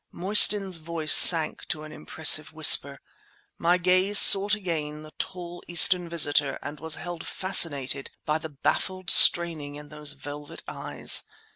Mostyn's voice sank to an impressive whisper. My gaze sought again the tall Eastern visitor and was held fascinated by the baffled straining in those velvet eyes.